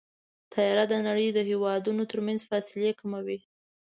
طیاره د نړۍ د هېوادونو ترمنځ فاصلې کموي.